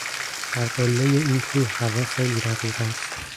در قلهٔ این کوه هوا خیلی رقیق است.